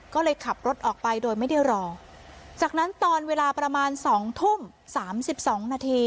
ก็เลยขับรถออกไปโดยไม่ได้รอจากนั้นตอนเวลาประมาณสองทุ่มสามสิบสองนาที